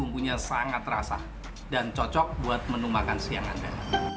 bumbunya sangat terasa dan cocok buat menu makan siang anda